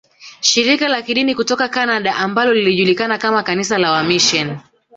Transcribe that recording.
Shirika la Kidini kutoka Canada ambalo lilijulikana kama kanisa la wamisheni